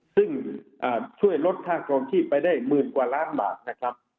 ซึ่งช่วยลดค่ากรองชีพไปได้๑๐กว่าล้านบาท